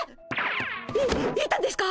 い行ったんですか！？